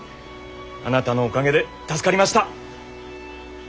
あなたのおかげで助かりました。